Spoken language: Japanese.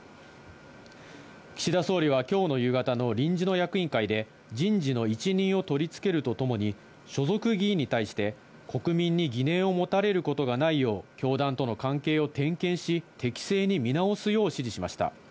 岸田総理はきょうの夕方の臨時の役員会で、人事の一任を取り付けるとともに、所属議員に対して、国民に疑念を持たれることがないよう、教団との関係を点検し、適正に見直すよう指示しました。